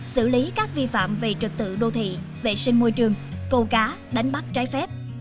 xử lý các vi phạm về trật tự đô thị vệ sinh môi trường cầu cá đánh bắt trái phép